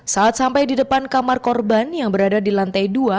saat sampai di depan kamar korban yang berada di lantai dua